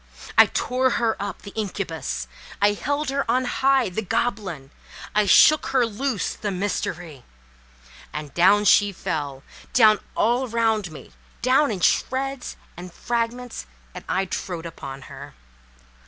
I tore her up—the incubus! I held her on high—the goblin! I shook her loose—the mystery! And down she fell—down all around me—down in shreds and fragments—and I trode upon her.